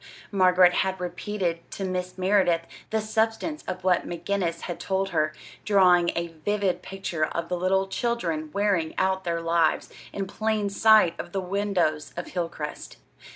Margaret had repeated to Mrs. Merideth the substance of what McGinnis had told her, drawing a vivid picture of the little children wearing out their lives in plain sight of the windows of Hilcrest.